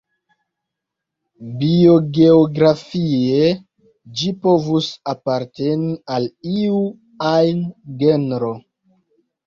Biogeografie, ĝi povus aparteni al iu ajn genro.